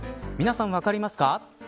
皆さん、分かりますか。